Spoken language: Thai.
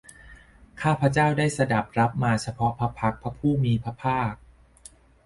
ข้าพเจ้าได้สดับรับมาเฉพาะพระพักตร์พระผู้มีพระภาค